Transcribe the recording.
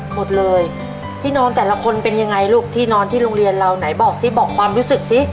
หมดเลยที่นอนแต่ละคนเป็นยังไงลูกที่นอนที่โรงเรียนเราไหนบอกซิบอกความรู้สึกซิ